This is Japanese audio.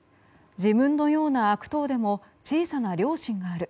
自分のような悪党でも小さな良心がある。